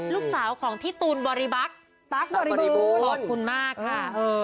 ลูกสาวของพี่ตูนบริบัคบริบูรณ์ขอบคุณมากค่ะเออ